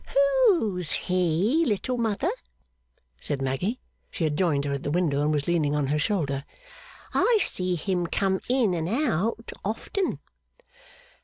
'Who's he, Little Mother?' said Maggy. She had joined her at the window and was leaning on her shoulder. 'I see him come in and out often.